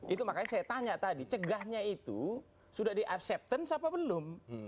itu makanya saya tanya tadi cegahnya itu sudah di acceptance apa belum